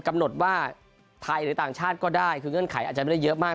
กำหนดว่าไทยหรือต่างชาติก็ได้คือเงื่อนไขอาจจะไม่ได้เยอะมาก